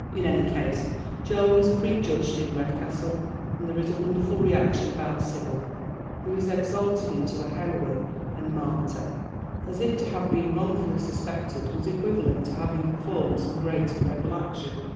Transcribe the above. In any case Joel is pwjndgod in Redcastle, and there is a wonderful reaction about Sibyl, who is exalted into a heroine and martyr, as if to have been wrongfully suspected was equivalent to having performed some great and noble action.